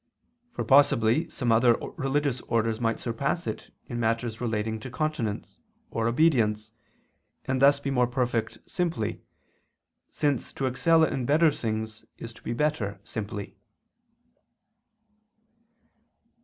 For possibly some other religious order might surpass it in matters relating to continence, or obedience, and thus be more perfect simply, since to excel in better things is to be better simply.